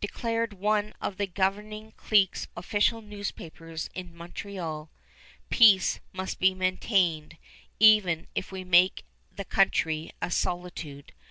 Declared one of the governing clique's official newspapers in Montreal: "Peace must be maintained, even if we make the country a solitude.